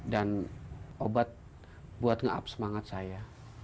dan obat untuk menguapkan semangat saya